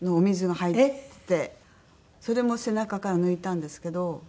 それも背中から抜いたんですけど。